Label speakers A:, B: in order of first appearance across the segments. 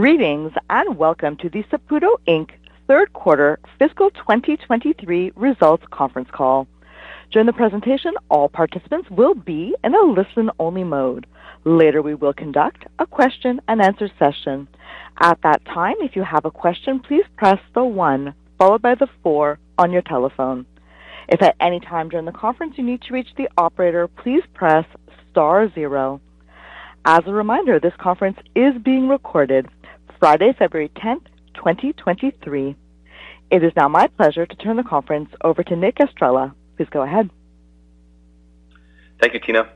A: Greetings, and welcome to the Saputo Inc. third quarter fiscal 2023 results conference call. During the presentation, all participants will be in a listen-only mode. Later, we will conduct a question-and-answer session. At that time, if you have a question, please press the one followed by the four on your telephone. If at any time during the conference you need to reach the operator, please press star zero. As a reminder, this conference is being recorded Friday, February 10, 2023. It is now my pleasure to turn the conference over to Nick Estrela. Please go ahead.
B: Thank you, Tina.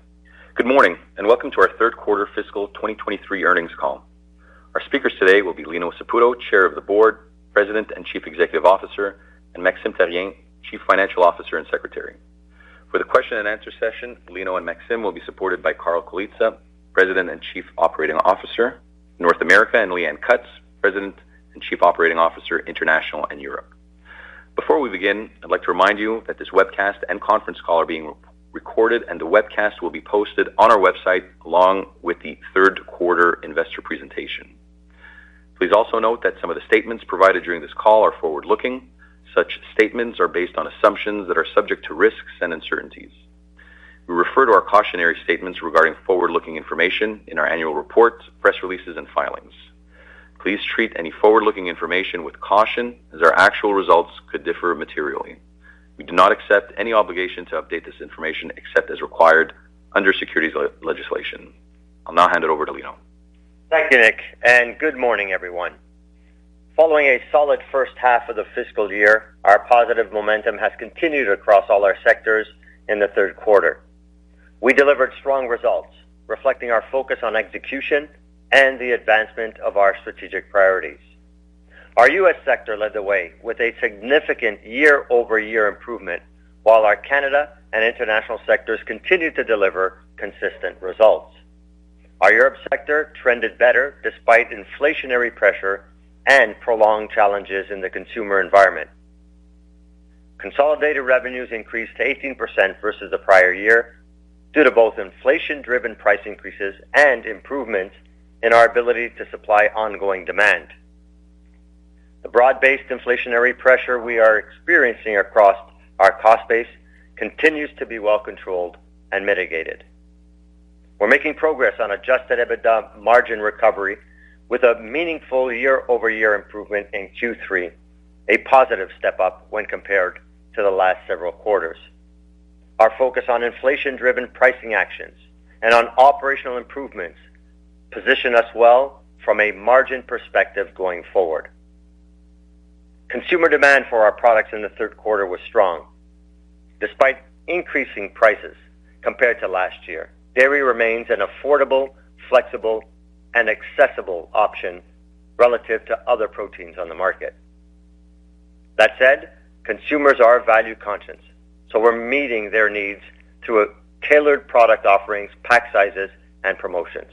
B: Good morning and welcome to our third quarter fiscal 2023 earnings call. Our speakers today will be Lino Saputo, Chair of the Board, President, and Chief Executive Officer; and Maxime Therrien, Chief Financial Officer and Secretary. For the question-and-answer session, Lino and Maxime will be supported by Carl Colizza, President and Chief Operating Officer, North America; and Leanne Cutts, President and Chief Operating Officer, International and Europe. Before we begin, I'd like to remind you that this webcast and conference call are being recorded, and the webcast will be posted on our website along with the third quarter investor presentation. Please also note that some of the statements provided during this call are forward-looking. Such statements are based on assumptions that are subject to risks and uncertainties. We refer to our cautionary statements regarding forward-looking information in our annual reports, press releases, and filings. Please treat any forward-looking information with caution as our actual results could differ materially. We do not accept any obligation to update this information except as required under securities legislation. I'll now hand it over to Lino.
C: Thank you, Nick. Good morning, everyone. Following a solid first half of the fiscal year, our positive momentum has continued across all our sectors in the third quarter. We delivered strong results reflecting our focus on execution and the advancement of our strategic priorities. Our U.S. sector led the way with a significant year-over-year improvement while our Canada and international sectors continued to deliver consistent results. Our Europe sector trended better despite inflationary pressure and prolonged challenges in the consumer environment. Consolidated revenues increased 18% versus the prior year due to both inflation-driven price increases and improvements in our ability to supply ongoing demand. The broad-based inflationary pressure we are experiencing across our cost base continues to be well controlled and mitigated. We're making progress on adjusted EBITDA margin recovery with a meaningful year-over-year improvement in Q3, a positive step-up when compared to the last several quarters. Our focus on inflation-driven pricing actions and on operational improvements position us well from a margin perspective going forward. Consumer demand for our products in the third quarter was strong. Despite increasing prices compared to last year, dairy remains an affordable, flexible, and accessible option relative to other proteins on the market. That said, consumers are value-conscious, so we're meeting their needs through tailored product offerings, pack sizes, and promotions.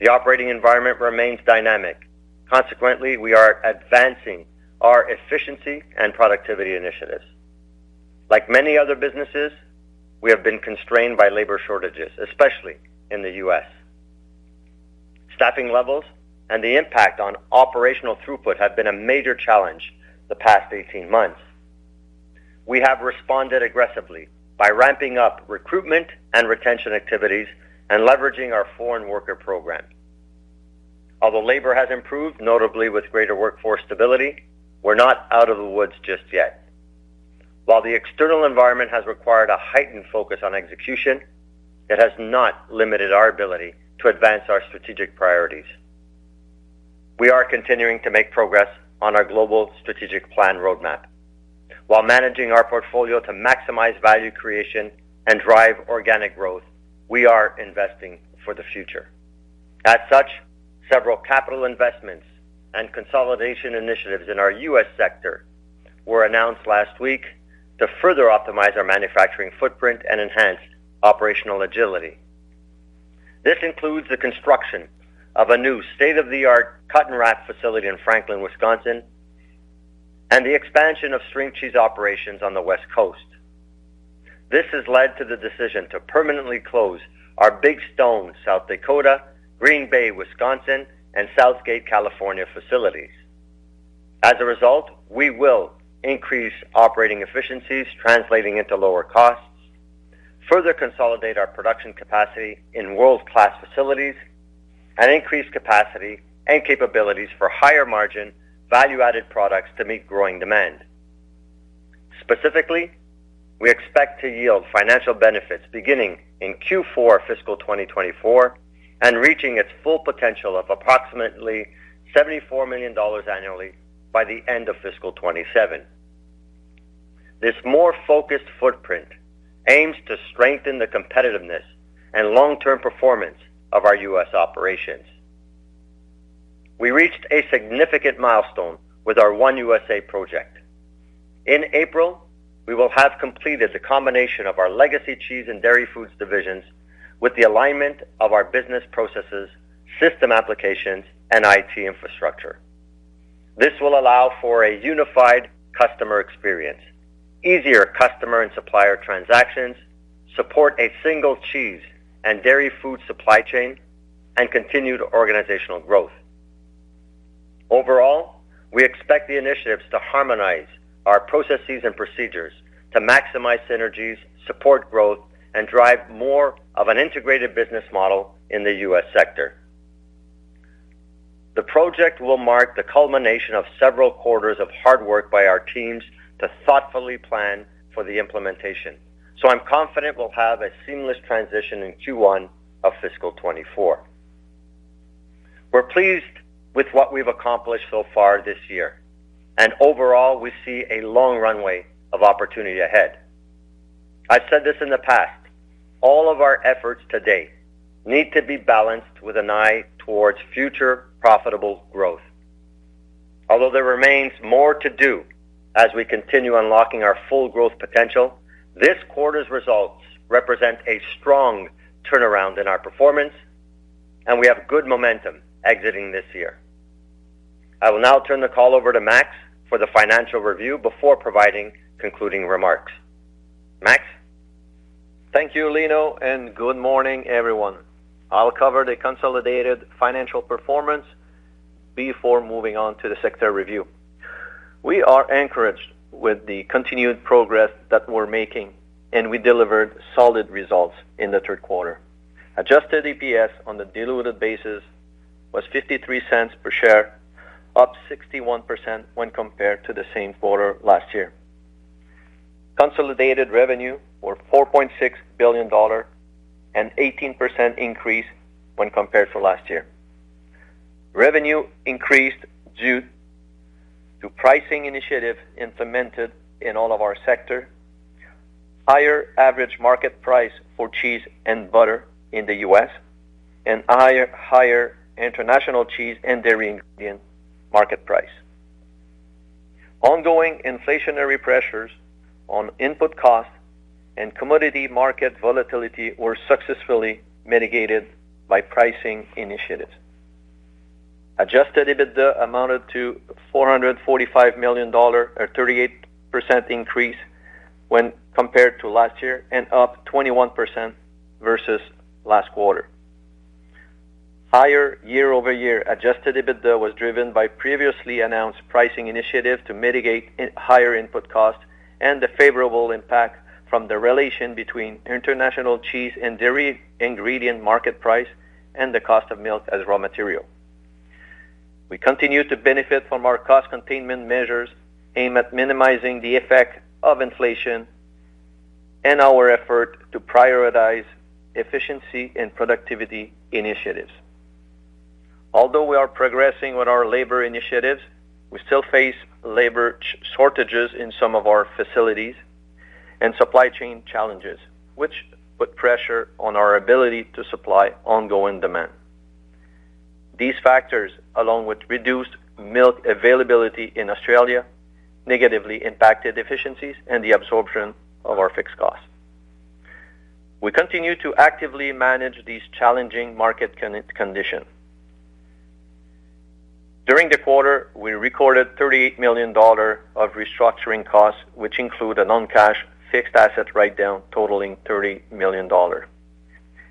C: The operating environment remains dynamic. Consequently, we are advancing our efficiency and productivity initiatives. Like many other businesses, we have been constrained by labor shortages, especially in the U.S. Staffing levels and the impact on operational throughput have been a major challenge the past 18 months. We have responded aggressively by ramping up recruitment and retention activities and leveraging our foreign worker program. Although labor has improved, notably with greater workforce stability, we're not out of the woods just yet. While the external environment has required a heightened focus on execution, it has not limited our ability to advance our strategic priorities. We are continuing to make progress on our Global Strategic Plan roadmap. While managing our portfolio to maximize value creation and drive organic growth, we are investing for the future. As such, several capital investments and consolidation initiatives in our U.S. sector were announced last week to further optimize our manufacturing footprint and enhance operational agility. This includes the construction of a new state-of-the-art cut-and-wrap facility in Franklin, Wisconsin, and the expansion of string cheese operations on the West Coast. This has led to the decision to permanently close our Big Stone, South Dakota; Green Bay, Wisconsin; and South Gate, California facilities. As a result, we will increase operating efficiencies translating into lower costs, further consolidate our production capacity in world-class facilities, and increase capacity and capabilities for higher margin value-added products to meet growing demand. Specifically, we expect to yield financial benefits beginning in Q4 fiscal 2024 and reaching its full potential of approximately 74 million dollars annually by the end of fiscal 2027. This more focused footprint aims to strengthen the competitiveness and long-term performance of our U.S. operations. We reached a significant milestone with our One USA project. In April, we will have completed the combination of our legacy cheese and dairy foods divisions with the alignment of our business processes, system applications, and IT infrastructure. This will allow for a unified customer experience, easier customer and supplier transactions, support a single cheese and dairy food supply chain, and continued organizational growth. Overall, we expect the initiatives to harmonize our processes and procedures to maximize synergies, support growth, and drive more of an integrated business model in the U.S. sector. The project will mark the culmination of several quarters of hard work by our teams to thoughtfully plan for the implementation. I'm confident we'll have a seamless transition in Q1 of fiscal FY 2024. We're pleased with what we've accomplished so far this year. Overall, we see a long runway of opportunity ahead. I've said this in the past, all of our efforts to date need to be balanced with an eye towards future profitable growth. There remains more to do as we continue unlocking our full growth potential, this quarter's results represent a strong turnaround in our performance, and we have good momentum exiting this year. I will now turn the call over to Max for the financial review before providing concluding remarks. Max?
D: Thank you, Lino, and good morning, everyone. I'll cover the consolidated financial performance before moving on to the sector review. We are encouraged with the continued progress that we're making, and we delivered solid results in the third quarter. Adjusted EPS on the diluted basis was 0.53 per share, up 61% when compared to the same quarter last year. Consolidated revenue were 4.6 billion dollar, an 18% increase when compared to last year. Revenue increased due to pricing initiatives implemented in all of our sector, higher average market price for cheese and butter in the U.S., and higher international cheese and dairy ingredient market price. Ongoing inflationary pressures on input costs and commodity market volatility were successfully mitigated by pricing initiatives. Adjusted EBITDA amounted to 445 million dollar, a 38% increase when compared to last year and up 21% versus last quarter. Higher year-over-year adjusted EBITDA was driven by previously announced pricing initiatives to mitigate higher input costs and the favorable impact from the relation between international cheese and dairy ingredient market price and the cost of milk as raw material. We continue to benefit from our cost containment measures aimed at minimizing the effect of inflation and our effort to prioritize efficiency and productivity initiatives. Although we are progressing with our labor initiatives, we still face labor shortages in some of our facilities and supply chain challenges, which put pressure on our ability to supply ongoing demand. These factors, along with reduced milk availability in Australia, negatively impacted efficiencies and the absorption of our fixed costs. We continue to actively manage these challenging market condition. During the quarter, we recorded 38 million dollars of restructuring costs, which include a non-cash fixed asset write-down totaling 30 million dollar.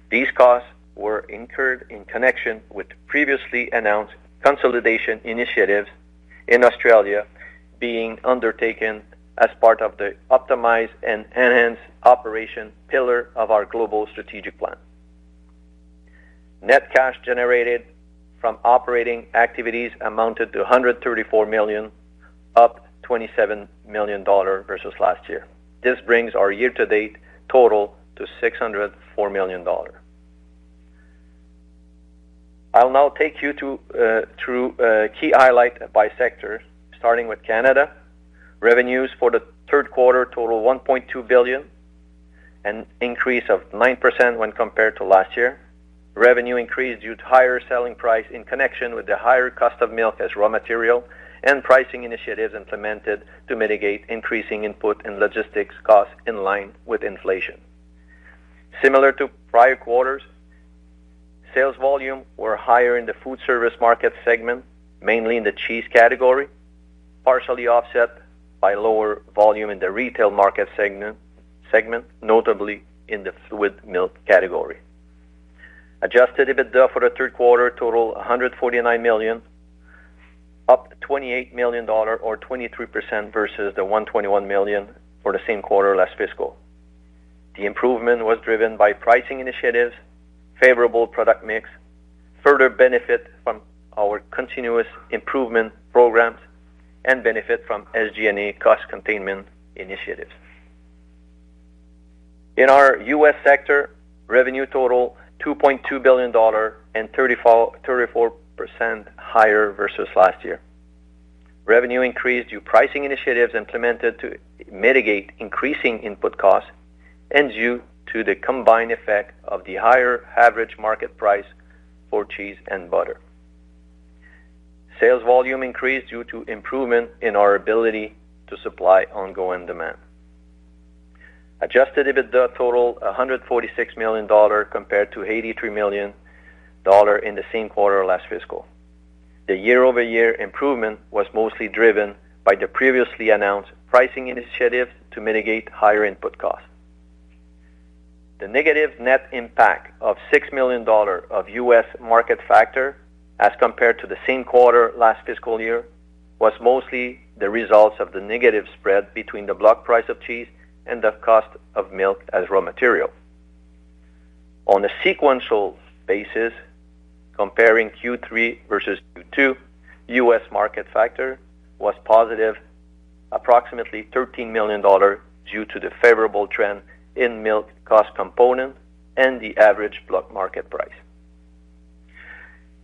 D: These costs were incurred in connection with previously announced consolidation initiatives in Australia being undertaken as part of the Optimize and Enhance Operations pillar of our Global Strategic Plan. Net cash generated from operating activities amounted to 134 million, up 27 million dollar versus last year. This brings our year-to-date total to 604 million dollar. I'll now take you through key highlights by sector, starting with Canada. Revenues for the third quarter total 1.2 billion, an increase of 9% when compared to last year. Revenue increased due to higher selling price in connection with the higher cost of milk as raw material and pricing initiatives implemented to mitigate increasing input and logistics costs in line with inflation. Similar to prior quarters, sales volume were higher in the food service market segment, mainly in the cheese category, partially offset by lower volume in the retail market segment, notably in the fluid milk category. Adjusted EBITDA for the third quarter total 149 million, up 28 million dollar or 23% versus the 121 million for the same quarter last fiscal. The improvement was driven by pricing initiatives, favorable product mix, further benefit from our continuous improvement programs, and benefit from SG&A cost containment initiatives. In our U.S. sector, revenue total 2.2 billion dollar and 34% higher versus last year. Revenue increased due pricing initiatives implemented to mitigate increasing input costs and due to the combined effect of the higher average market price for cheese and butter. Sales volume increased due to improvement in our ability to supply ongoing demand. Adjusted EBITDA totaled 146 million dollar compared to 83 million dollar in the same quarter last fiscal. The year-over-year improvement was mostly driven by the previously announced pricing initiative to mitigate higher input costs. The negative net impact of 6 million dollars of U.S. market factor as compared to the same quarter last fiscal year was mostly the results of the negative spread between the block price of cheese and the cost of milk as raw material. On a sequential basis, comparing Q3 versus Q2, U.S. market factor was positive, approximately 13 million dollars due to the favorable trend in milk cost component and the average block market price.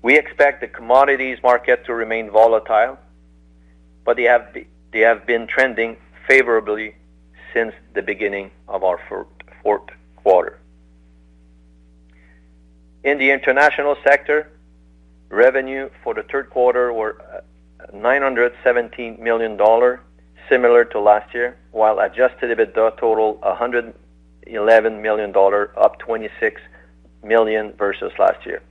D: We expect the commodities market to remain volatile, but they have been trending favorably since the beginning of our fourth quarter. In the international sector, revenue for the third quarter were 917 million dollar, similar to last year, while adjusted EBITDA totaled 111 million dollar, up 26 million versus last year.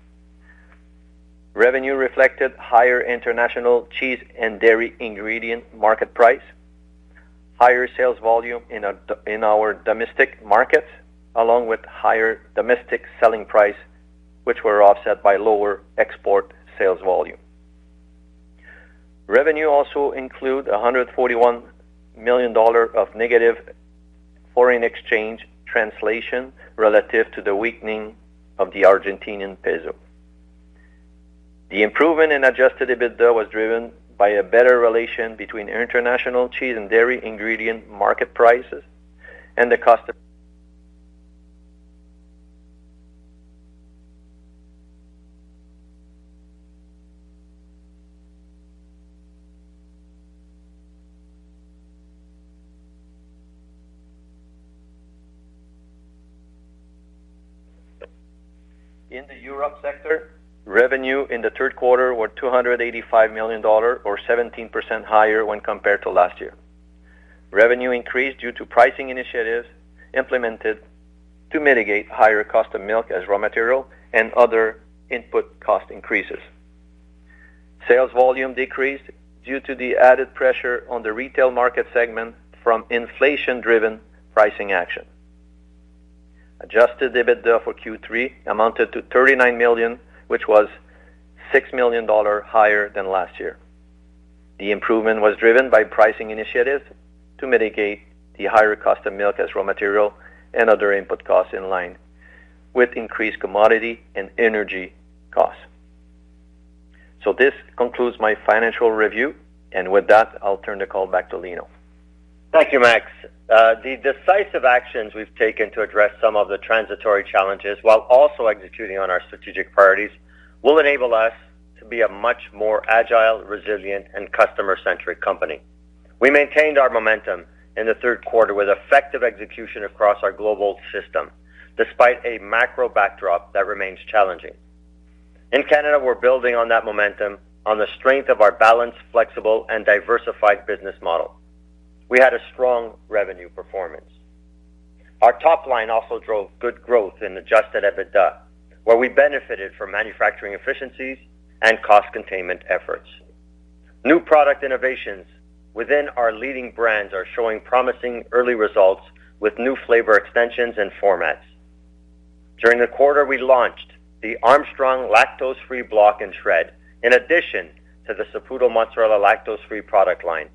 D: Revenue reflected higher international cheese and dairy ingredient market price, higher sales volume in our domestic markets, along with higher domestic selling price, which were offset by lower export sales volume. Revenue also include 141 million dollar of negative foreign exchange translation relative to the weakening of the Argentinian peso. The improvement in adjusted EBITDA was driven by a better relation between international cheese and dairy ingredient market prices. In the Europe sector, revenue in the third quarter were 285 million dollar, or 17% higher when compared to last year. Revenue increased due to pricing initiatives implemented to mitigate higher cost of milk as raw material and other input cost increases. Sales volume decreased due to the added pressure on the retail market segment from inflation-driven pricing action. Adjusted EBITDA for Q3 amounted to 39 million, which was 6 million dollars higher than last year. The improvement was driven by pricing initiatives to mitigate the higher cost of milk as raw material and other input costs in line with increased commodity and energy costs. This concludes my financial review, and with that, I'll turn the call back to Lino.
C: Thank you, Max. The decisive actions we've taken to address some of the transitory challenges while also executing on our strategic priorities will enable us to be a much more agile, resilient, and customer-centric company. We maintained our momentum in the third quarter with effective execution across our global system, despite a macro backdrop that remains challenging. In Canada, we're building on that momentum on the strength of our balanced, flexible, and diversified business model. We had a strong revenue performance. Our top line also drove good growth in adjusted EBITDA, where we benefited from manufacturing efficiencies and cost containment efforts. New product innovations within our leading brands are showing promising early results with new flavor extensions and formats. During the quarter, we launched the Armstrong lactose-free block and shred in addition to the Saputo Mozzarella lactose-free product line.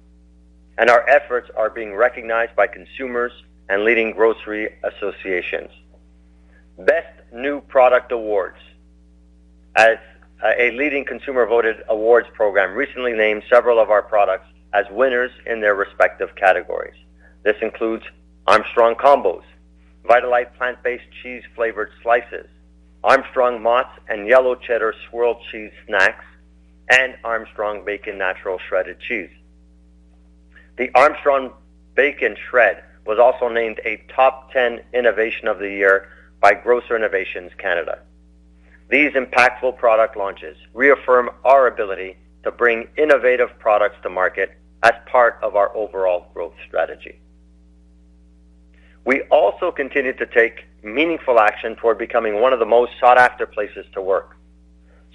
C: Our efforts are being recognized by consumers and leading grocery associations. Best New Product Awards, as a leading consumer-voted awards program, recently named several of our products as winners in their respective categories. This includes Armstrong Combos, Vitalite Plant-Based Cheese Flavored Slices, Armstrong Mozz and Yellow Cheddar Swirl Cheese Snacks, and Armstrong Bacon Natural Shredded Cheese. The Armstrong Bacon Shred was also named a top 10 innovation of the year by Grocery Innovations Canada. These impactful product launches reaffirm our ability to bring innovative products to market as part of our overall growth strategy. We also continue to take meaningful action for becoming one of the most sought-after places to work.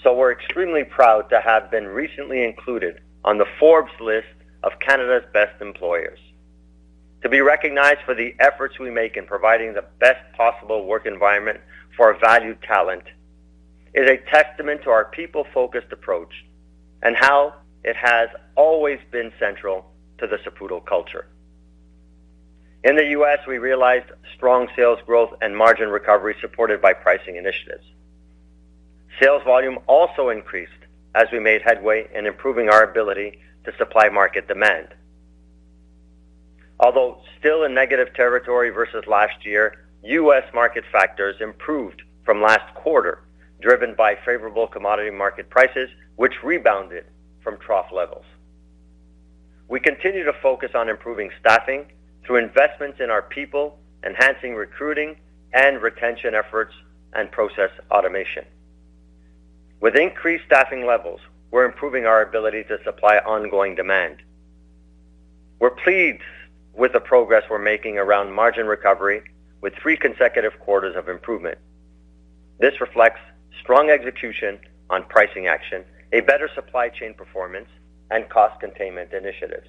C: We're extremely proud to have been recently included on the Forbes list of Canada's Best Employers. To be recognized for the efforts we make in providing the best possible work environment for our valued talent is a testament to our people-focused approach and how it has always been central to the Saputo culture. In the U.S., we realized strong sales growth and margin recovery supported by pricing initiatives. Sales volume also increased as we made headway in improving our ability to supply market demand. Although still in negative territory versus last year, U.S. market factors improved from last quarter, driven by favorable commodity market prices, which rebounded from trough levels. We continue to focus on improving staffing through investments in our people, enhancing recruiting and retention efforts, and process automation. With increased staffing levels, we're improving our ability to supply ongoing demand. We're pleased with the progress we're making around margin recovery with three consecutive quarters of improvement. This reflects strong execution on pricing action, a better supply chain performance, and cost containment initiatives.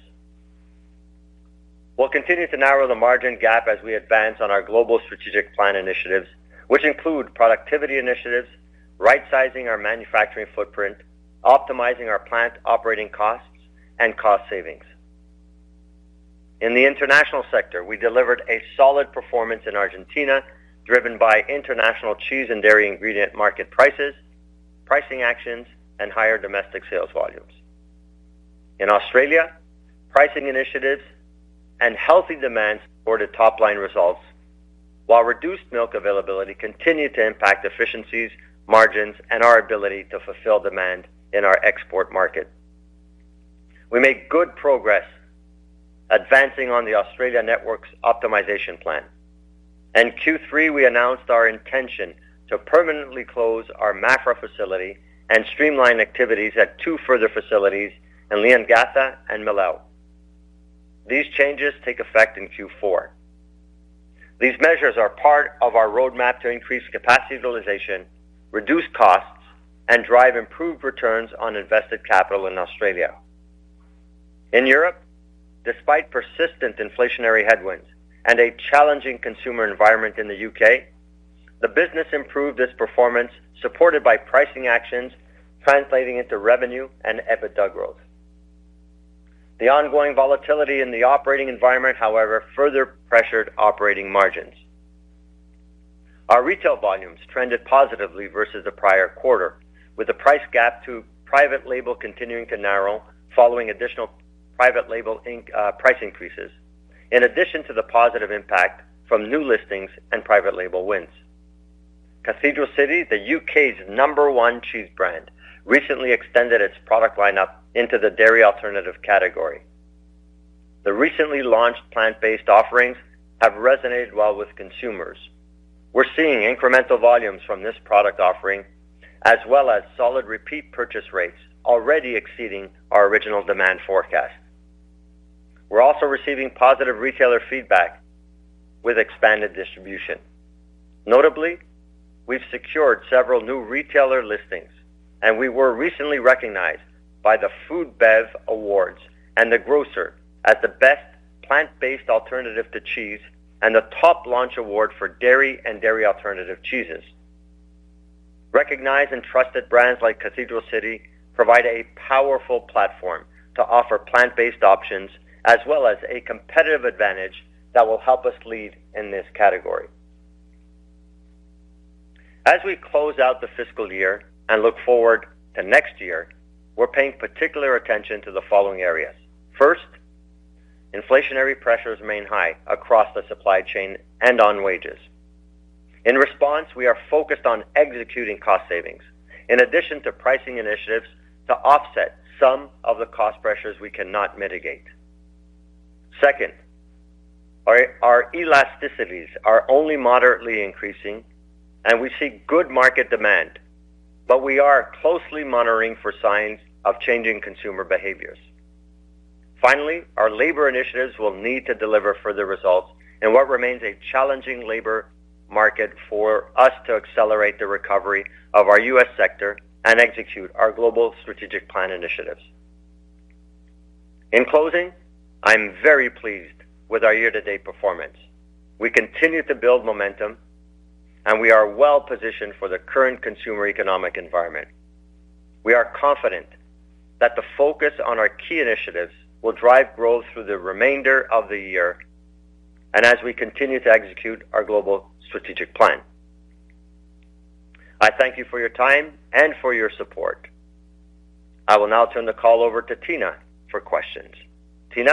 C: We'll continue to narrow the margin gap as we advance on our Global Strategic Plan initiatives, which include productivity initiatives, rightsizing our manufacturing footprint, optimizing our plant operating costs, and cost savings. In the international sector, we delivered a solid performance in Argentina, driven by international cheese and dairy ingredient market prices, pricing actions, and higher domestic sales volumes. In Australia, pricing initiatives and healthy demand supported top-line results, while reduced milk availability continued to impact efficiencies, margins, and our ability to fulfill demand in our export market. We made good progress advancing on the Australia Network Optimization Plan. In Q3, we announced our intention to permanently close our Maffra facility and streamline activities at two further facilities in Leongatha and Mil-Lel. These changes take effect in Q4. These measures are part of our roadmap to increase capacity utilization, reduce costs, and drive improved returns on invested capital in Australia. In Europe, despite persistent inflationary headwinds and a challenging consumer environment in the U.K., the business improved its performance, supported by pricing actions translating into revenue and EBITDA growth. The ongoing volatility in the operating environment, however, further pressured operating margins. Our retail volumes trended positively versus the prior quarter, with the price gap to private label continuing to narrow following additional private label price increases. In addition to the positive impact from new listings and private label wins. Cathedral City, the U.K.'s number one cheese brand, recently extended its product lineup into the dairy alternative category. The recently launched plant-based offerings have resonated well with consumers. We're seeing incremental volumes from this product offering, as well as solid repeat purchase rates already exceeding our original demand forecast. We're also receiving positive retailer feedback with expanded distribution. Notably, we've secured several new retailer listings, and we were recently recognized by the FoodBev Awards and The Grocer as the best plant-based alternative to cheese and the Top Launch award for dairy and dairy alternative cheeses. Recognized and trusted brands like Cathedral City provide a powerful platform to offer plant-based options as well as a competitive advantage that will help us lead in this category. As we close out the fiscal year and look forward to next year, we're paying particular attention to the following areas. First, inflationary pressures remain high across the supply chain and on wages. In response, we are focused on executing cost savings in addition to pricing initiatives to offset some of the cost pressures we cannot mitigate. Second, our elasticities are only moderately increasing, and we see good market demand, but we are closely monitoring for signs of changing consumer behaviors. Finally, our labor initiatives will need to deliver further results in what remains a challenging labor market for us to accelerate the recovery of our U.S. sector and execute our Global Strategic Plan initiatives. In closing, I'm very pleased with our year-to-date performance. We continue to build momentum, and we are well-positioned for the current consumer economic environment. We are confident that the focus on our key initiatives will drive growth through the remainder of the year and as we continue to execute our Global Strategic Plan. I thank you for your time and for your support. I will now turn the call over to Tina for questions. Tina?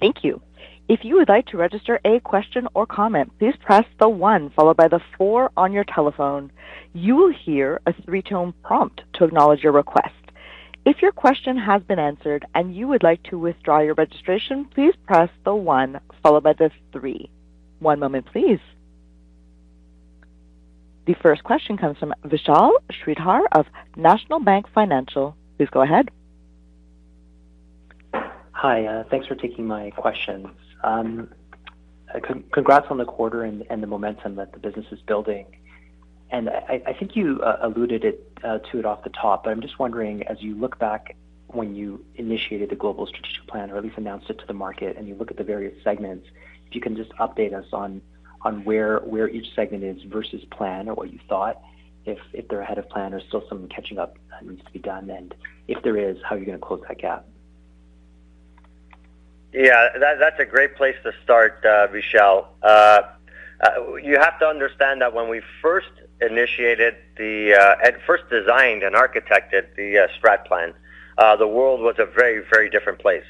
A: Thank you. If you would like to register a question or comment, please press the one followed by the four on your telephone. You will hear a three-tone prompt to acknowledge your request. If your question has been answered and you would like to withdraw your registration, please press the one followed by the three. One moment, please. The first question comes from Vishal Shreedhar of National Bank Financial. Please go ahead.
E: Hi, thanks for taking my questions. Congrats on the quarter and the momentum that the business is building. I think you alluded it to it off the top, but I'm just wondering, as you look back when you initiated the Global Strategic Plan or at least announced it to the market and you look at the various segments, if you can just update us on where each segment is versus plan or what you thought if they're ahead of plan or still some catching up that needs to be done? And if there is, how are you gonna close that gap?
C: Yeah, that's a great place to start, Vishal. You have to understand that when we first initiated and first designed and architected the Strat Plan, the world was a very, very different place.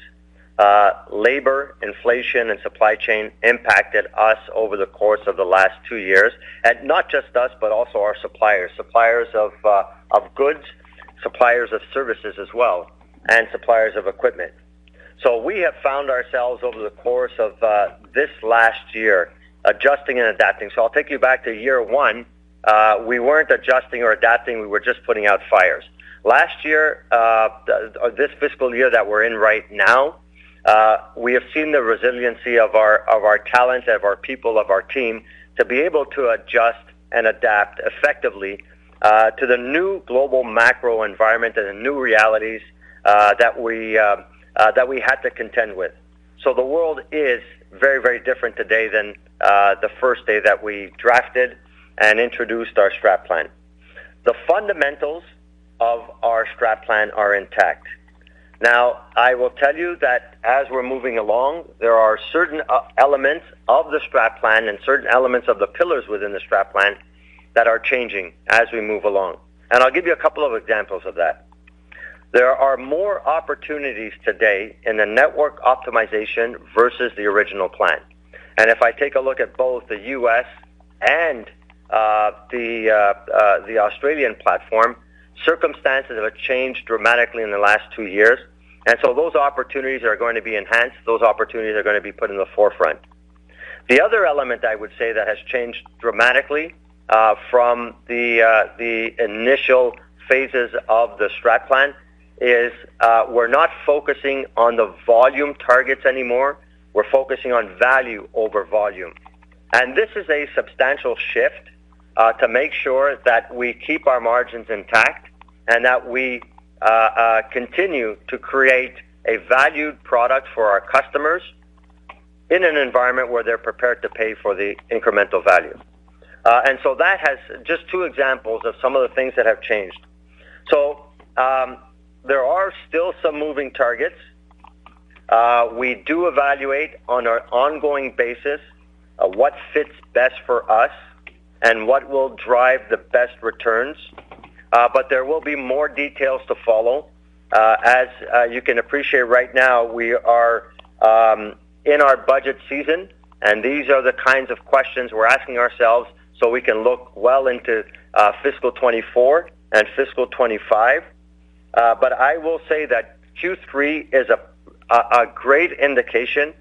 C: Labor, inflation, and supply chain impacted us over the course of the last two years, and not just us, but also our suppliers of goods, suppliers of services as well, and suppliers of equipment. We have found ourselves over the course of this last year adjusting and adapting. I'll take you back to year one, we weren't adjusting or adapting, we were just putting out fires. Last year, this fiscal year that we're in right now, we have seen the resiliency of our, of our talents, of our people, of our team to be able to adjust and adapt effectively to the new global macro environment and the new realities, that we, that we had to contend with. The world is very, very different today than the first day that we drafted and introduced our Strat Plan. The fundamentals of our Strat Plan are intact. I will tell you that as we're moving along, there are certain elements of the Strat Plan and certain elements of the pillars within the Strat Plan that are changing as we move along. I'll give you a couple of examples of that. There are more opportunities today in the network optimization versus the original plan. If I take a look at both the U.S. and the Australian platform, circumstances have changed dramatically in the last two years. Those opportunities are gonna be enhanced. Those opportunities are gonna be put in the forefront. The other element I would say that has changed dramatically from the initial phases of the Strat Plan is we're not focusing on the volume targets anymore, we're focusing on value over volume. This is a substantial shift to make sure that we keep our margins intact and that we continue to create a valued product for our customers in an environment where they're prepared to pay for the incremental value. That has just two examples of some of the things that have changed. There are still some moving targets. We do evaluate on an ongoing basis what fits best for us and what will drive the best returns. There will be more details to follow. As you can appreciate right now, we are in our budget season, and these are the kinds of questions we're asking ourselves so we can look well into fiscal 2024 and fiscal 2025. I will say that Q3 is a great indication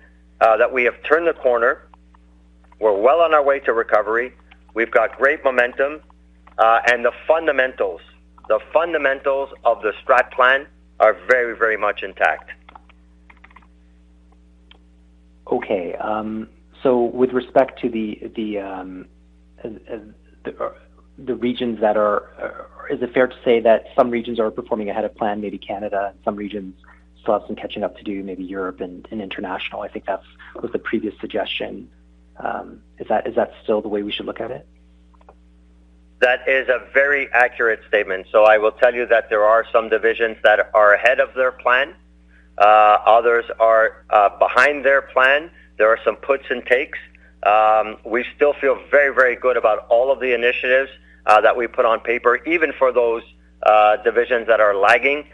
C: that we have turned the corner. We're well on our way to recovery. We've got great momentum, and the fundamentals of the Strat Plan are very, very much intact.
E: With respect to the regions that are... Is it fair to say that some regions are performing ahead of plan, maybe Canada, and some regions still have some catching up to do, maybe Europe and International? I think that's was the previous suggestion. Is that still the way we should look at it?
C: That is a very accurate statement. I will tell you that there are some divisions that are ahead of their plan. Others are behind their plan. There are some puts and takes. We still feel very, very good about all of the initiatives that we put on paper, even for those divisions that are lagging.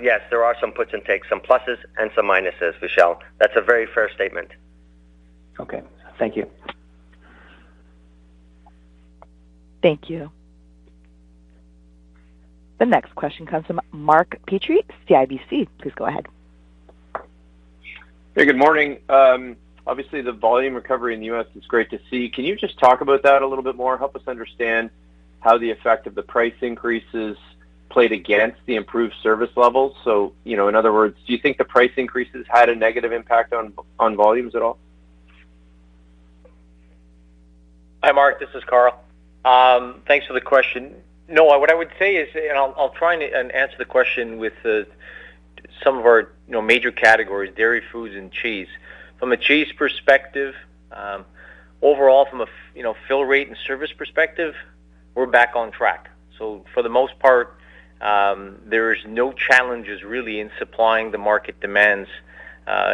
C: Yes, there are some puts and takes, some pluses and some minuses, Vishal. That's a very fair statement.
E: Okay. Thank you.
A: Thank you. The next question comes from Mark Petrie, CIBC. Please go ahead.
F: Hey, good morning. Obviously, the volume recovery in the U.S. is great to see. Can you just talk about that a little bit more? Help us understand how the effect of the price increases played against the improved service levels. you know, in other words, do you think the price increases had a negative impact on volumes at all?
G: Hi, Mark. This is Carl. Thanks for the question. What I would say is, and I'll try and answer the question with some of our, you know, major categories, dairy foods and cheese. From a cheese perspective, overall from a you know, fill rate and service perspective, we're back on track. For the most part, there is no challenges really in supplying the market demands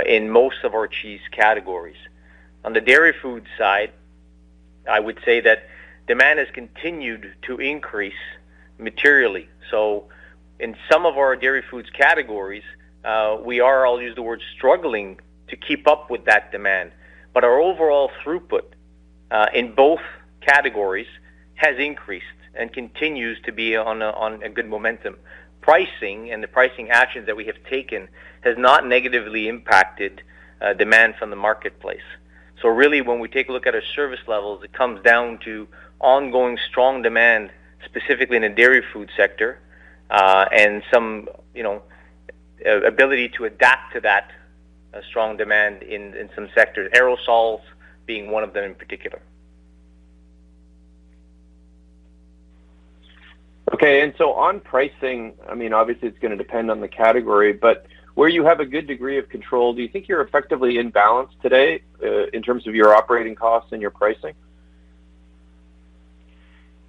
G: in most of our cheese categories. On the dairy foods side, I would say that demand has continued to increase materially. In some of our dairy foods categories, we are, I'll use the word, struggling to keep up with that demand. Our overall throughput in both categories has increased and continues to be on a good momentum. Pricing and the pricing actions that we have taken has not negatively impacted demand from the marketplace. Really, when we take a look at our service levels, it comes down to ongoing strong demand, specifically in the dairy food sector, and some, you know, ability to adapt to that strong demand in some sectors, aerosols being one of them in particular.
F: Okay. On pricing, I mean, obviously, it's gonna depend on the category, but where you have a good degree of control, do you think you're effectively in balance today in terms of your operating costs and your pricing?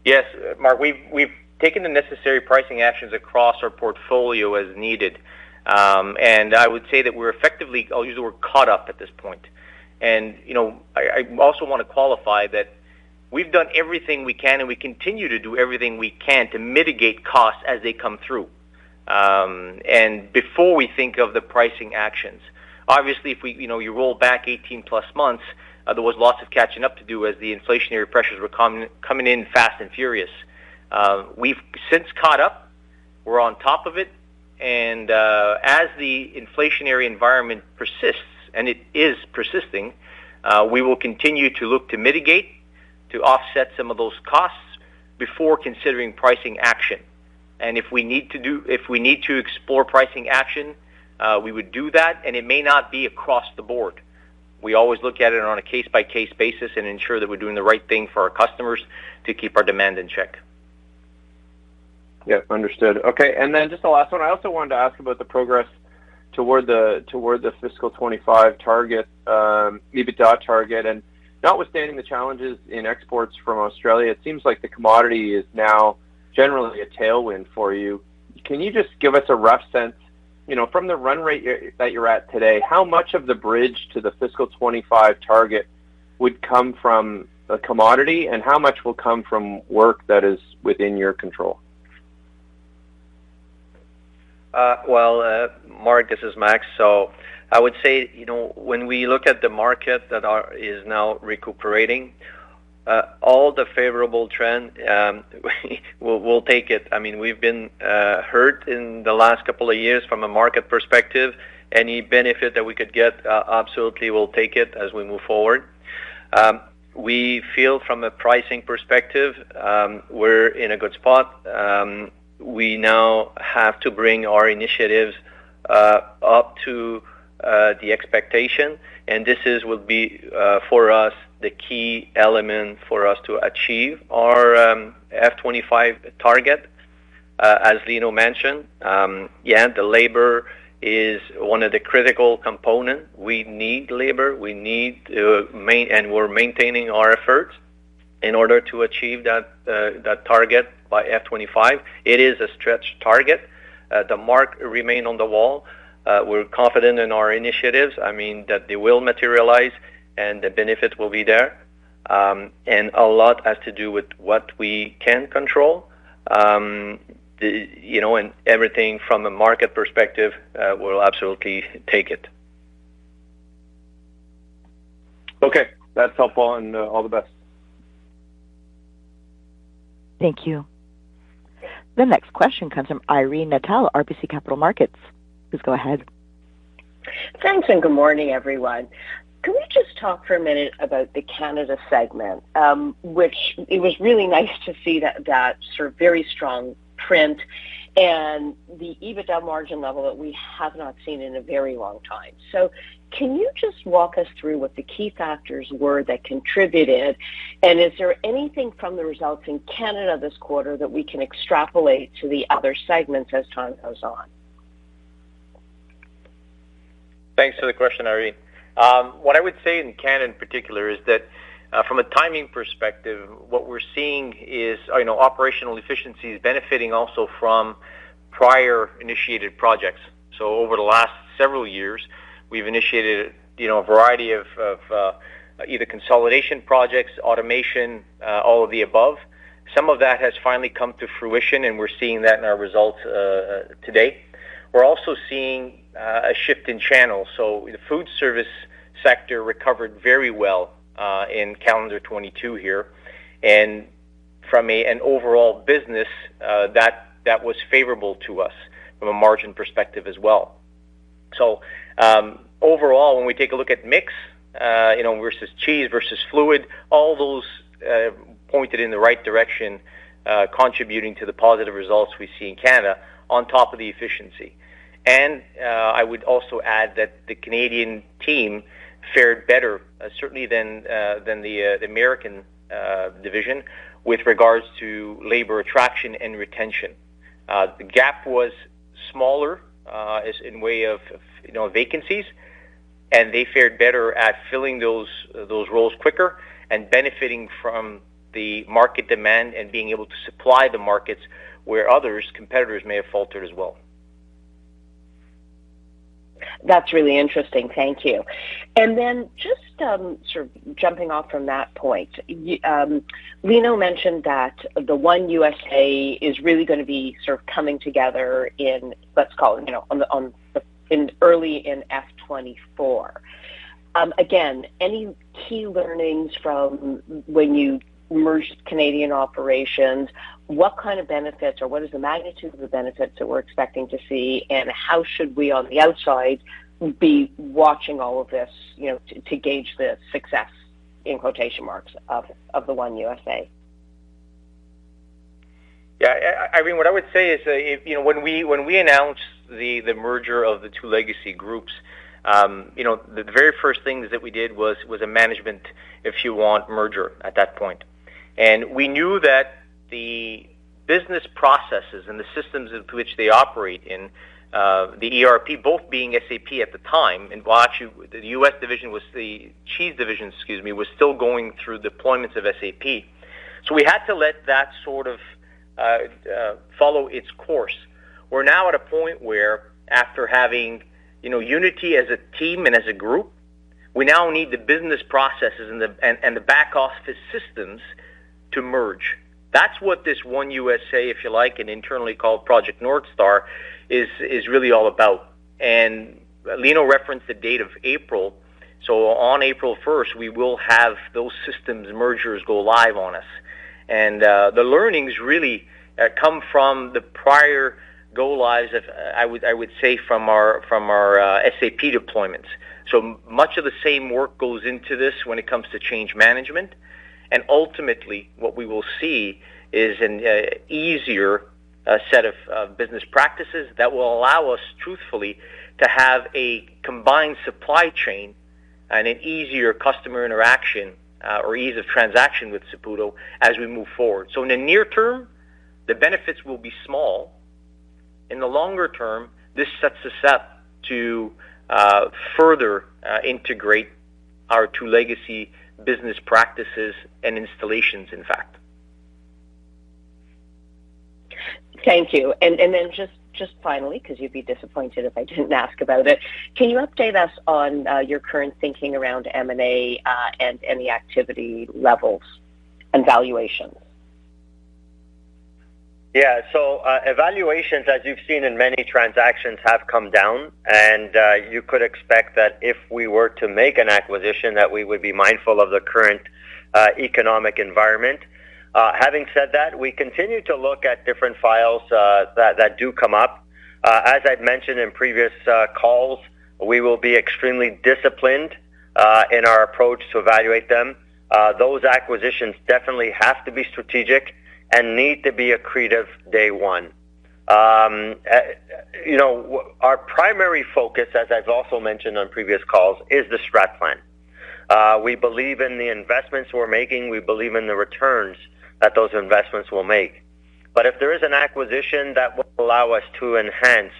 G: Yes, Mark, we've taken the necessary pricing actions across our portfolio as needed. I would say that we're effectively, I'll use the word, caught up at this point. You know, I also wanna qualify that we've done everything we can, and we continue to do everything we can to mitigate costs as they come through, and before we think of the pricing actions. Obviously, if we, you know, you roll back 18+ months, there was lots of catching up to do as the inflationary pressures were coming in fast and furious. We've since caught up. We're on top of it. As the inflationary environment persists, and it is persisting, we will continue to look to mitigate, to offset some of those costs before considering pricing action. If we need to explore pricing action, we would do that, and it may not be across the board. We always look at it on a case-by-case basis and ensure that we're doing the right thing for our customers to keep our demand in check.
F: Yeah, understood. Okay. Then just the last one. I also wanted to ask about the progress toward the fiscal 2025 target, EBITDA target. Notwithstanding the challenges in exports from Australia, it seems like the commodity is now generally a tailwind for you. Can you just give us a rough sense, you know, from the run rate that you're at today, how much of the bridge to the fiscal 2025 target would come from a commodity and how much will come from work that is within your control?
D: Well, Mark, this is Max. I would say, you know, when we look at the market that is now recuperating all the favorable trend, we'll take it. I mean, we've been hurt in the last couple of years from a market perspective. Any benefit that we could get, absolutely we'll take it as we move forward. We feel from a pricing perspective, we're in a good spot. We now have to bring our initiatives up to the expectation, and this is will be for us the key element for us to achieve our FY 2025 target. As Lino mentioned, yeah, the labor is one of the critical component. We need labor, we need to and we're maintaining our efforts in order to achieve that target by FY 2025. It is a stretched target. The mark remain on the wall. We're confident in our initiatives, I mean, that they will materialize, and the benefit will be there. A lot has to do with what we can control, the, you know, and everything from a market perspective, we'll absolutely take it.
F: Okay. That's helpful and all the best.
A: Thank you. The next question comes from Irene Nattel, RBC Capital Markets. Please go ahead.
H: Thanks. Good morning, everyone. Can we just talk for a minute about the Canada segment, which it was really nice to see that sort of very strong trend and the EBITDA margin level that we have not seen in a very long time. Can you just walk us through what the key factors were that contributed, and is there anything from the results in Canada this quarter that we can extrapolate to the other segments as time goes on?
G: Thanks for the question, Irene. What I would say in Canada in particular is that, from a timing perspective, what we're seeing is, you know, operational efficiencies benefiting also from prior initiated projects. Over the last several years, we've initiated, you know, a variety of, either consolidation projects, automation, all of the above. Some of that has finally come to fruition, and we're seeing that in our results, today. We're also seeing, a shift in channel. The food service sector recovered very well, in calendar 2022 here. From an overall business, that was favorable to us from a margin perspective as well. Overall, when we take a look at mix, you know, versus cheese, versus fluid, all those pointed in the right direction, contributing to the positive results we see in Canada on top of the efficiency. I would also add that the Canadian team fared better, certainly than the American division with regards to labor attraction and retention. The gap was smaller, as in way of, you know, vacancies, and they fared better at filling those roles quicker and benefiting from the market demand and being able to supply the markets where others, competitors may have faltered as well.
H: That's really interesting. Thank you. Then just sort of jumping off from that point, Lino mentioned that the One USA is really gonna be sort of coming together in, let's call it, you know, in early in FY 2024. Again, any key learnings from when you merged Canadian operations? What kind of benefits or what is the magnitude of the benefits that we're expecting to see, and how should we on the outside be watching all of this, you know, to gauge the success, in quotation marks, of the One USA?
G: Yeah. Irene, what I would say is that, you know, when we announced the merger of the two legacy groups, you know, the very first things that we did was a management, if you want, merger at that point. We knew that the business processes and the systems in which they operate in, the ERP both being SAP at the time, and while actually the U.S. division was the cheese division, excuse me, was still going through deployments of SAP. We had to let that sort of follow its course. We're now at a point where after having, you know, unity as a team and as a group, we now need the business processes and the back office systems to merge. That's what this One USA, if you like, and internally called Project North Star is really all about. Lino referenced the date of April. On April 1st, we will have those systems mergers go live on us. The learnings really come from the prior go lives of, I would say from our SAP deployments. Much of the same work goes into this when it comes to change management. Ultimately, what we will see is an easier set of business practices that will allow us, truthfully, to have a combined supply chain and an easier customer interaction or ease of transaction with Saputo as we move forward. In the near term, the benefits will be small. In the longer term, this sets us up to further integrate our two legacy business practices and installations, in fact.
H: Thank you. Then just finally, because you'd be disappointed if I didn't ask about it. Can you update us on your current thinking around M&A and the activity levels and valuations?
D: Yeah. Evaluations, as you've seen in many transactions, have come down, and you could expect that if we were to make an acquisition, that we would be mindful of the current economic environment. Having said that, we continue to look at different files that do come up. As I've mentioned in previous calls, we will be extremely disciplined in our approach to evaluate them. Those acquisitions definitely have to be strategic and need to be accretive day one. You know, our primary focus, as I've also mentioned on previous calls, is the Strat Plan. We believe in the investments we're making. We believe in the returns that those investments will make. If there is an acquisition that will allow us to enhance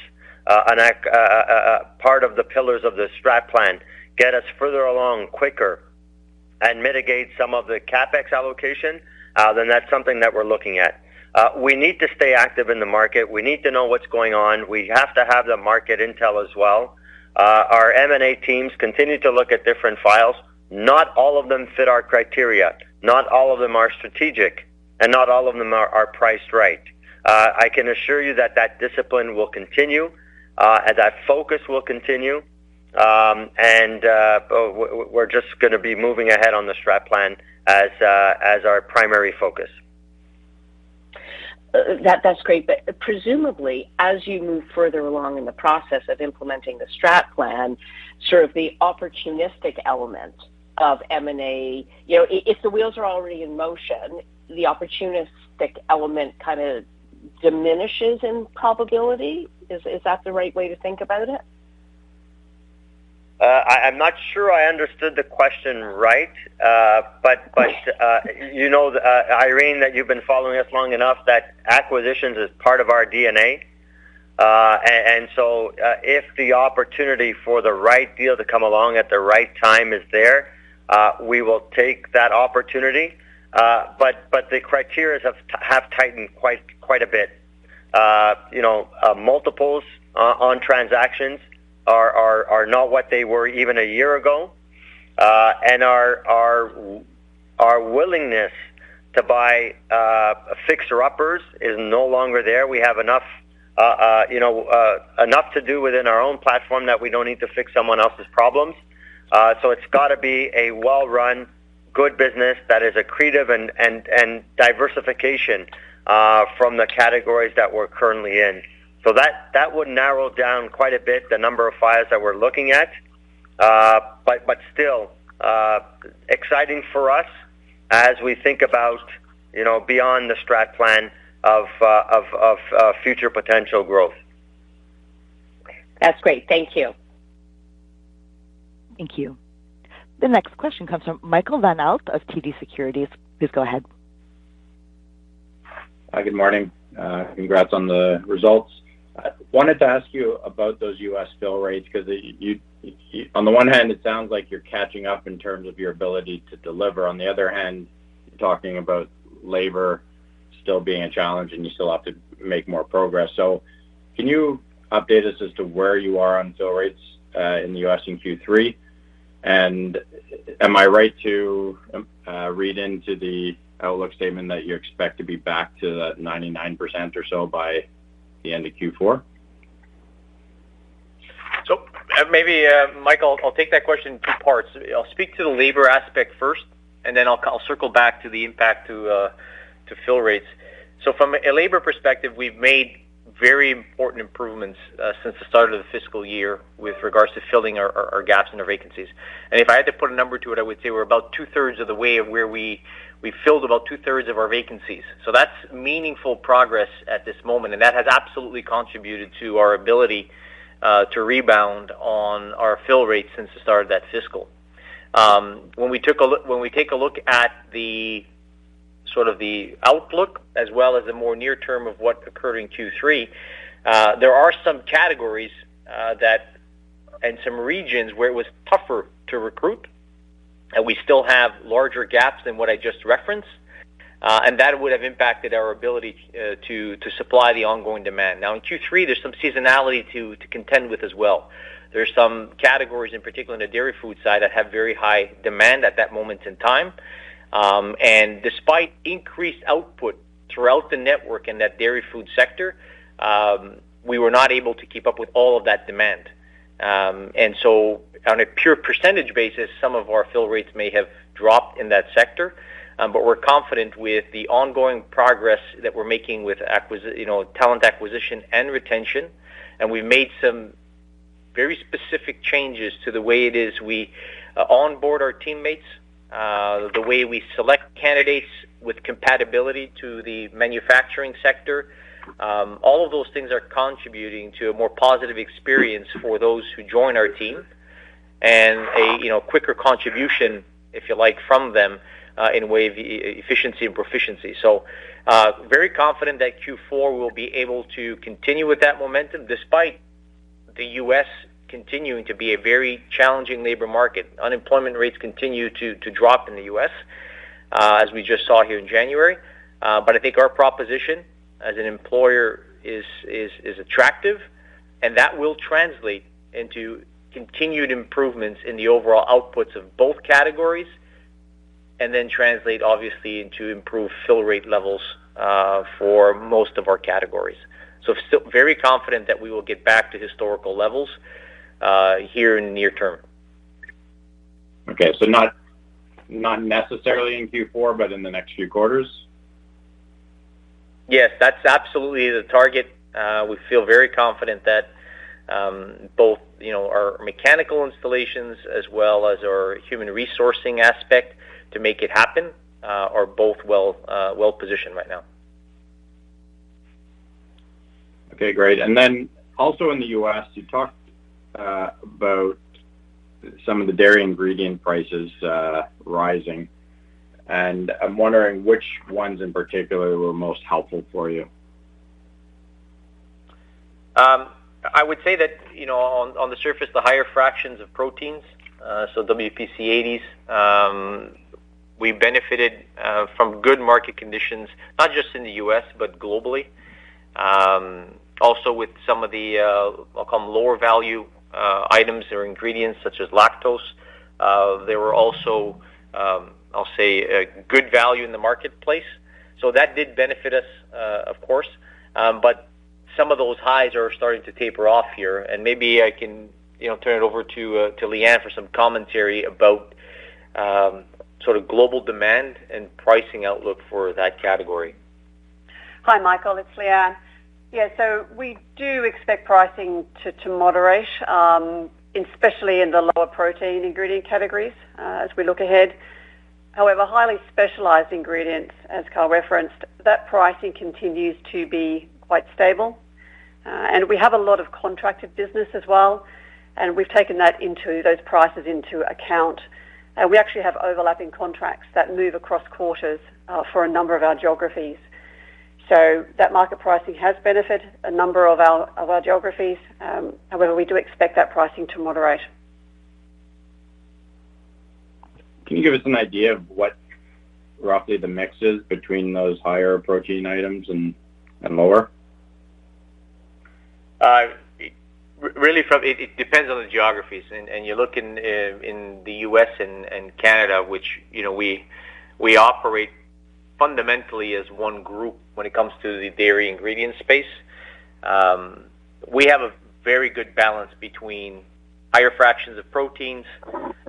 D: a part of the pillars of the Strat Plan, get us further along quicker and mitigate some of the CapEx allocation, then that's something that we're looking at. We need to stay active in the market. We need to know what's going on. We have to have the market intel as well. Our M&A teams continue to look at different files. Not all of them fit our criteria, not all of them are strategic, and not all of them are priced right. I can assure you that that discipline will continue and that focus will continue. We're just gonna be moving ahead on the Strat Plan as our primary focus.
H: That's great. Presumably, as you move further along in the process of implementing the Strat Plan, sort of the opportunistic element of M&A, you know, if the wheels are already in motion, the opportunistic element kind of diminishes in probability. Is that the right way to think about it?
D: I'm not sure I understood the question right. You know, Irene, that you've been following us long enough that acquisitions is part of our DNA. If the opportunity for the right deal to come along at the right time is there, we will take that opportunity. The criterias have tightened quite a bit. You know, multiples on transactions are not what they were even a year ago. Our willingness to buy, fixer uppers is no longer there. We have enough, you know, enough to do within our own platform that we don't need to fix someone else's problems. It's got to be a well-run, good business that is accretive and diversification from the categories that we're currently in. That would narrow down quite a bit the number of files that we're looking at. Still, exciting for us as we think about, you know, beyond the Strat Plan of future potential growth.
H: That's great. Thank you.
A: Thank you. The next question comes from Michael Van Aelst of TD Securities. Please go ahead.
I: Hi, good morning. Congrats on the results. I wanted to ask you about those U.S. fill rates, because on the one hand, it sounds like you're catching up in terms of your ability to deliver. On the other hand, you're talking about labor still being a challenge, and you still have to make more progress. Can you update us as to where you are on fill rates in the U.S. in Q3? Am I right to read into the outlook statement that you expect to be back to that 99% or so by the end of Q4?
C: Maybe, Mike, I'll take that question in two parts. I'll speak to the labor aspect first, then I'll circle back to the impact to fill rates. From a labor perspective, we've made very important improvements since the start of the fiscal year with regards to filling our gaps in our vacancies. If I had to put a number to it, I would say we're about 2/3 of the way of where we, we filled about 2/3 of our vacancies. That's meaningful progress at this moment, and that has absolutely contributed to our ability to rebound on our fill rates since the start of that fiscal. When we take a look at the sort of the outlook as well as the more near term of what occurred in Q3, there are some categories that and some regions where it was tougher to recruit, and we still have larger gaps than what I just referenced. That would have impacted our ability to supply the ongoing demand. Now, in Q3, there's some seasonality to contend with as well. There's some categories, in particular in the dairy food side, that have very high demand at that moment in time. Despite increased output throughout the network in that dairy food sector, we were not able to keep up with all of that demand. On a pure percentage basis, some of our fill rates may have dropped in that sector, but we're confident with the ongoing progress that we're making with you know, talent acquisition and retention. We made some very specific changes to the way it is we onboard our teammates, the way we select candidates with compatibility to the manufacturing sector. All of those things are contributing to a more positive experience for those who join our team and a, you know, quicker contribution, if you like, from them, in way of efficiency and proficiency. Very confident that Q4 will be able to continue with that momentum despite the U.S. continuing to be a very challenging labor market. Unemployment rates continue to drop in the U.S. as we just saw here in January. I think our proposition as an employer is attractive, and that will translate into continued improvements in the overall outputs of both categories, and then translate obviously into improved fill rate levels for most of our categories. Still very confident that we will get back to historical levels here in the near term.
I: Okay. Not necessarily in Q4, but in the next few quarters?
C: Yes, that's absolutely the target. We feel very confident that, both, you know, our mechanical installations as well as our human resourcing aspect to make it happen, are both well-positioned right now.
I: Okay, great. Also in the U.S., you talked about some of the dairy ingredient prices rising, and I'm wondering which ones in particular were most helpful for you.
G: I would say that, you know, on the surface, the higher fractions of proteins, WPC80s, we benefited from good market conditions, not just in the U.S., but globally. Also with some of the, I'll call them lower value, items or ingredients such as lactose. They were also, I'll say, a good value in the marketplace. That did benefit us, of course. Some of those highs are starting to taper off here. Maybe I can, you know, turn it over to Leanne for some commentary about sort of global demand and pricing outlook for that category.
J: Hi, Michael, it's Leanne. Yeah, we do expect pricing to moderate, especially in the lower protein ingredient categories, as we look ahead. However, highly specialized ingredients, as Carl referenced, that pricing continues to be quite stable. We have a lot of contracted business as well, and we've taken those prices into account. We actually have overlapping contracts that move across quarters for a number of our geographies. That market pricing has benefited a number of our geographies, however, we do expect that pricing to moderate.
I: Can you give us an idea of what roughly the mix is between those higher protein items and lower?
G: Really from, it depends on the geographies, and you look in the U.S. and Canada, which, you know, we operate fundamentally as one group when it comes to the dairy ingredient space. We have a very good balance between higher fractions of proteins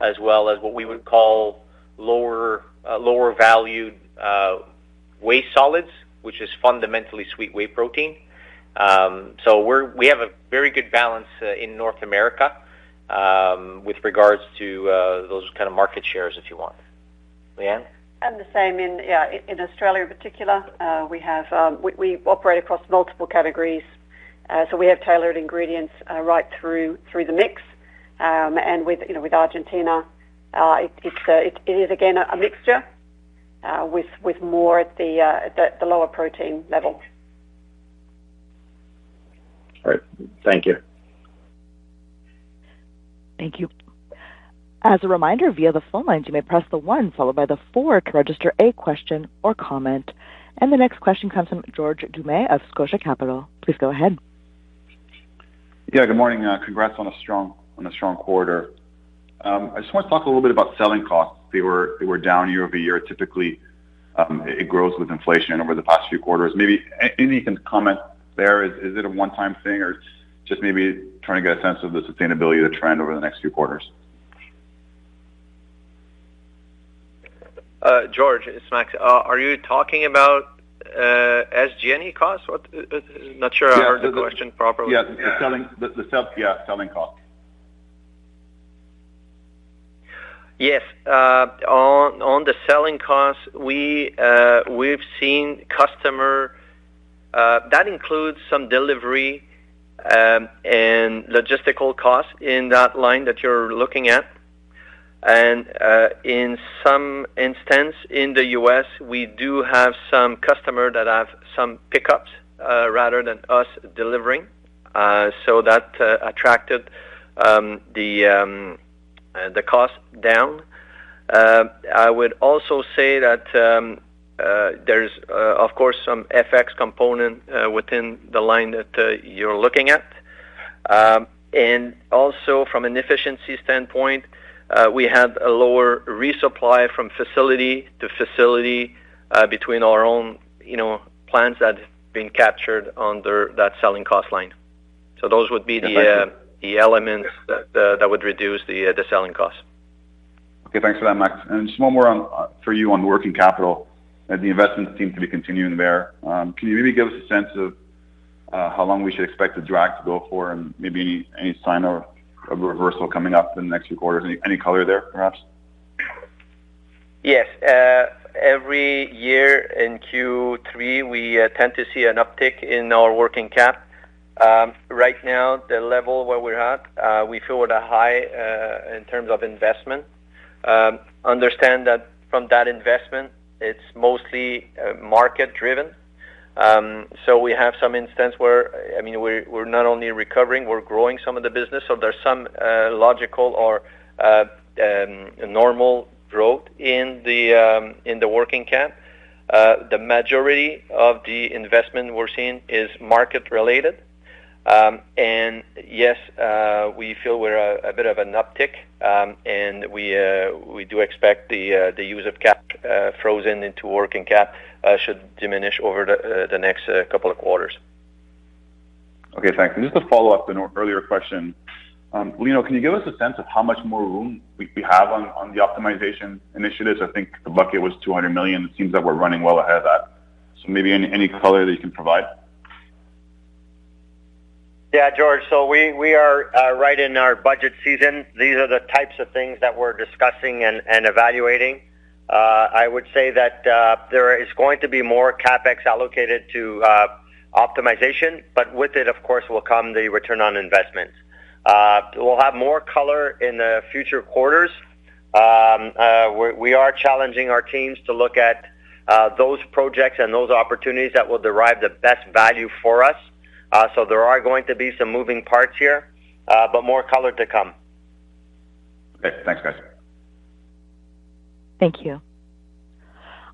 G: as well as what we would call lower valued whey solids, which is fundamentally sweet whey protein. We have a very good balance in North America, with regards to those kind of market shares, if you want. Leanne?
J: The same in Australia, in particular, we operate across multiple categories, so we have tailored ingredients right through the mix. With, you know, with Argentina, it is again a mixture with more at the lower protein level.
I: All right. Thank you.
A: Thank you. As a reminder, via the phone lines, you may press the one followed by the four to register a question or comment. The next question comes from George Doumet of Scotia Capital. Please go ahead.
K: Yeah, good morning. Congrats on a strong quarter. I just want to talk a little bit about selling costs. They were down year-over-year. Typically, it grows with inflation over the past few quarters. Maybe you can comment there. Is it a one-time thing? Or, just maybe trying to get a sense of the sustainability of the trend over the next few quarters?
D: George, it's Max. Are you talking about SG&E costs? Not sure I heard the question properly.
K: Yes. The selling, yeah, selling costs.
D: Yes. on the selling costs, we've seen customer. That includes some delivery and logistical costs in that line that you're looking at. In some instance in the U.S., we do have some customer that have some pickups rather than us delivering, so that attracted the cost down. I would also say that there's of course some FX component within the line that you're looking at. Also from an efficiency standpoint, we have a lower resupply from facility to facility, between our own plants that have been captured under that selling cost line. Those would be the elements that would reduce the selling cost.
K: Okay. Thanks for that, Max. Just one more for you on working capital, as the investments seem to be continuing there. Can you maybe give us a sense of how long we should expect the drag to go for and maybe any sign of reversal coming up in the next few quarters? Any color there, perhaps?
D: Yes. Every year in Q3, we tend to see an uptick in our working cap. Right now the level where we're at, we feel we're at a high in terms of investment. Understand that from that investment, it's mostly market driven. So we have some instance where, I mean, we're not only recovering, we're growing some of the business, so there's some logical or normal growth in the working cap. The majority of the investment we're seeing is market related. And yes, we feel we're a bit of an uptick. And we do expect the use of cap frozen into working cap should diminish over the next couple of quarters.
K: Okay, thanks. Just to follow up an earlier question. Lino, can you give us a sense of how much more room we have on the optimization initiatives? I think the bucket was 200 million. It seems that we're running well ahead of that. Maybe any color that you can provide.
C: Yeah, George. We are right in our budget season. These are the types of things that we're discussing and evaluating. I would say that there is going to be more CapEx allocated to optimization, but with it, of course, will come the return on investment. We'll have more color in the future quarters. We are challenging our teams to look at those projects and those opportunities that will derive the best value for us. There are going to be some moving parts here, but more color to come.
K: Okay. Thanks, guys.
A: Thank you.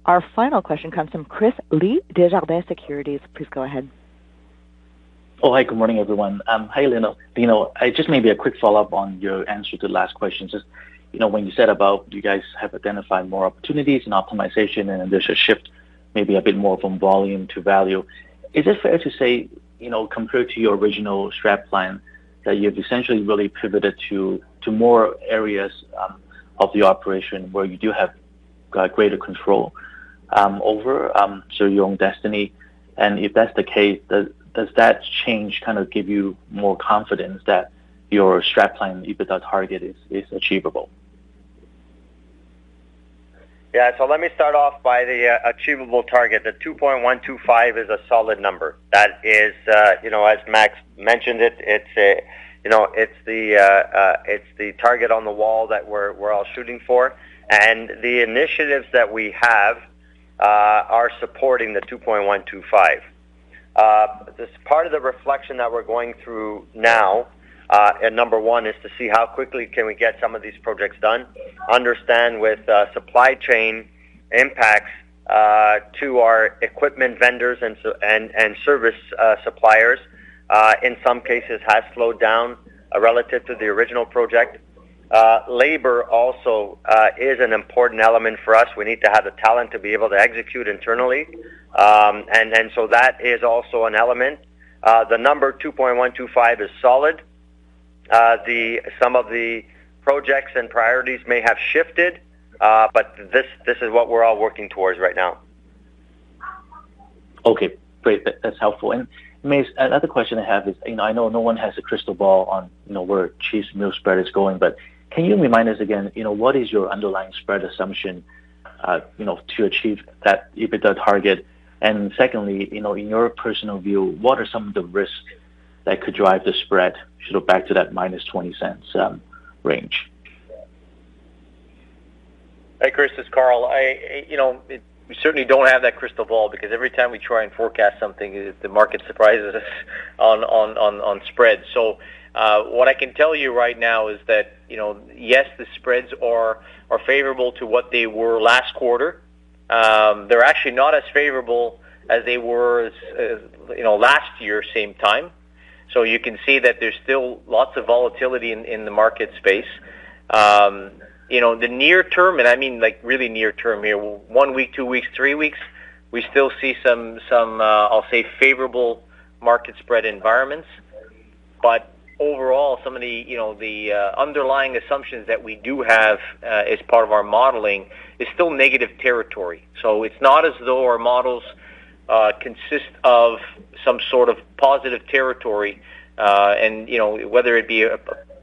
A: Our final question comes from Chris Li, Desjardins Securities. Please go ahead.
L: Oh, hi. Good morning, everyone. Hi Lino. You know, I, just maybe a quick follow-up on your answer to the last question. Just, you know, when you said about you guys have identified more opportunities and optimization, and there's a shift maybe a bit more from volume to value. Is it fair to say, you know, compared to your original Strat Plan that you've essentially really pivoted to more areas of the operation where you do have greater control over so your own destiny? If that's the case, does that change kind of give you more confidence that your Strat Plan EBITDA target is achievable?
C: Let me start off by the achievable target. The 2.125 is a solid number. That is, you know, as Max mentioned it's, you know, it's the target on the wall that we're all shooting for. The initiatives that we have are supporting the 2.125. This part of the reflection that we're going through now, number one is to see how quickly can we get some of these projects done. Understand with supply chain impacts to our equipment vendors and service suppliers, in some cases has slowed down relative to the original project. Labor also is an important element for us. We need to have the talent to be able to execute internally. That is also an element. The number 2.125 billion is solid. The some of the projects and priorities may have shifted, this is what we're all working towards right now.
L: Okay, great. That's helpful. Maybe another question I have is, you know, I know no one has a crystal ball on, you know, where cheese milk spread is going, but can you remind us again, you know, what is your underlying spread assumption, you know, to achieve that EBITDA target? Secondly, you know, in your personal view, what are some of the risks that could drive the spread should go back to that -0.20 range?
G: Hey, Chris, it's Carl. I, you know, we certainly don't have that crystal ball because every time we try and forecast something, the market surprises us on spread. What I can tell you right now is that, you know, yes, the spreads are favorable to what they were last quarter. They're actually not as favorable as they were as, you know, last year, same time. You can see that there's still lots of volatility in the market space. You know, the near term, and I mean, like really near term here, one week, two weeks, three weeks, we still see some, I'll say favorable market spread environments. Overall, some of the, you know, the underlying assumptions that we do have as part of our modeling is still negative territory. It's not as though our models consist of some sort of positive territory. You know, whether it be,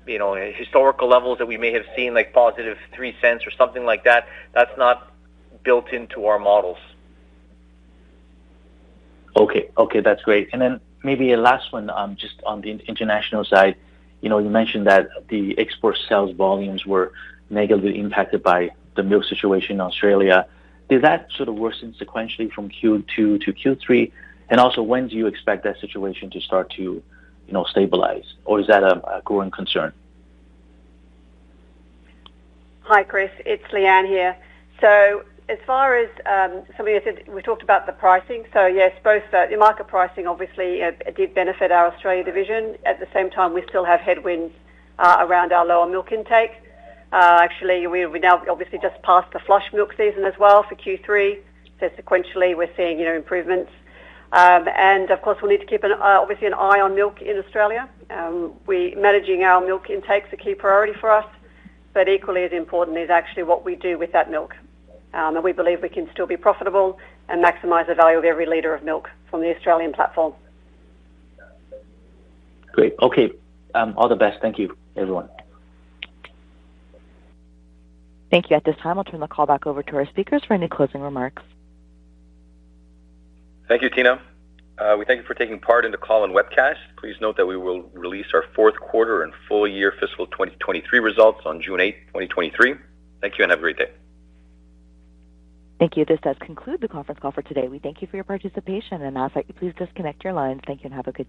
G: you know, historical levels that we may have seen, like +0.03 or something like that's not built into our models.
L: Okay. Okay, that's great. Maybe a last one, just on the international side. You know, you mentioned that the export sales volumes were negatively impacted by the milk situation in Australia. Is that sort of worsened sequentially from Q2 to Q3? When do you expect that situation to start to, you know, stabilize? Or is that a growing concern?
J: Hi, Chris. It's Leanne here. As far as some of these things, we talked about the pricing. Yes, both the market pricing obviously did benefit our Australia division. At the same time, we still have headwinds around our lower milk intake. Actually, we now obviously just passed the flush milk season as well for Q3. Sequentially, we're seeing, you know, improvements. Of course, we'll need to keep an obviously an eye on milk in Australia. Managing our milk intake is a key priority for us, but equally as important is actually what we do with that milk. We believe we can still be profitable and maximize the value of every liter of milk from the Australian platform.
L: Great. Okay. All the best. Thank you, everyone.
A: Thank you. At this time, I'll turn the call back over to our speakers for any closing remarks.
B: Thank you, Tina. We thank you for taking part in the call and webcast. Please note that we will release our fourth quarter and full year fiscal 2023 results on June 8th, 2023. Thank you, and have a great day.
A: Thank you. This does conclude the conference call for today. We thank you for your participation and ask that you please disconnect your lines. Thank you, and have a good day.